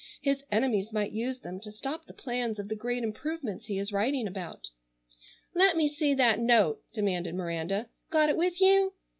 His enemies might use them to stop the plans of the great improvements he is writing about." "Let me see that note!" demanded Miranda. "Got it with you?"